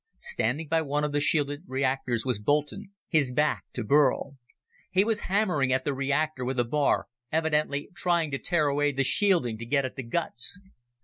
Standing by one of the shielded reactors was Boulton, his back to Burl. He was hammering at the reactor with a bar, evidently trying to tear away the shielding to get at the guts.